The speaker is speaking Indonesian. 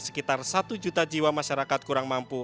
sekitar satu juta jiwa masyarakat kurang mampu